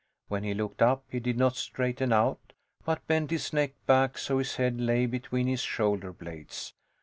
When he looked up, he did not straighten out, but bent his neck back so his head lay between his shoulder blades.